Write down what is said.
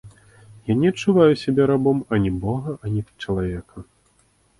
Я не адчуваю сябе рабом ані бога, ані чалавека.